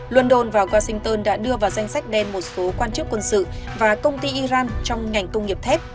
london và washington đã đưa vào danh sách đen một số quan chức quân sự và công ty iran trong ngành công nghiệp thép